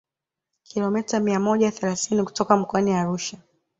kilomita mia moja themanini kutoka mkoani Arusha